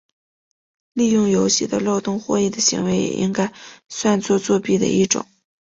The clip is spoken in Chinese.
利用游戏的漏洞获益的行为也应该算作作弊的一种。